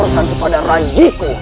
dan kepada raihku